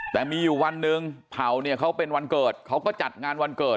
แต่มีอยู่วันหนึ่งเผาเนี่ยเขาเป็นวันเกิดเขาก็จัดงานวันเกิด